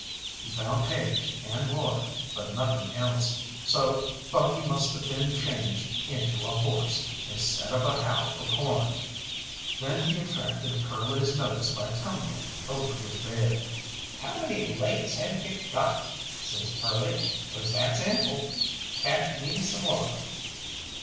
He found hay and water, but nothing else, so thought he must have been changed into a horse, and set up a howl for corn. Then he attracted Curly's notice by tumbling over his bed. "How many laigs have yo' got?" says Curly, "'cause that's ample. Catch me some water."